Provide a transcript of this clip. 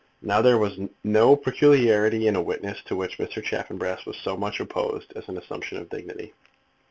Now there was no peculiarity in a witness to which Mr. Chaffanbrass was so much opposed as an assumption of dignity.